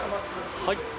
はい。